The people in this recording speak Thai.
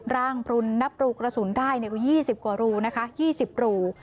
พลุนนับรูกระสุนได้๒๐กว่ารูนะคะ๒๐รู